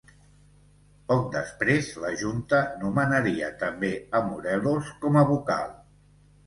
Poc després, la Junta nomenaria també a Morelos com a vocal.